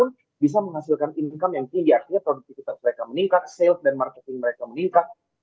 itu bisa menghasilkan income yang tinggi artinya produktivitas mereka meningkat sales dan marketing mereka meningkat